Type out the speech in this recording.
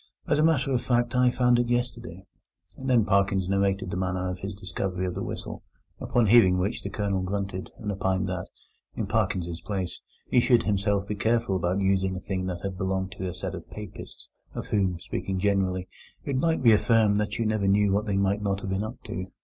As a matter of fact, I found it yesterday." And then Parkins narrated the manner of his discovery of the whistle, upon hearing which the Colonel grunted, and opined that, in Parkins's place, he should himself be careful about using a thing that had belonged to a set of Papists, of whom, speaking generally, it might be affirmed that you never knew what they might not have been up to.